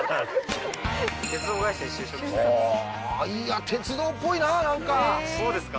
いや、鉄道っぽいな、なんかそうですか？